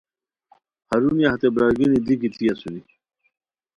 ہرونیہ ہتے برار گینی دی گیتی اسونی